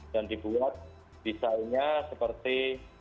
dan dibuat desainnya seperti